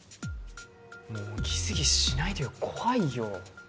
もうギスギスしないでよ怖いよ